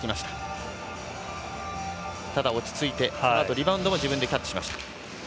ただ、落ち着いてリバウンドも自分でキャッチ。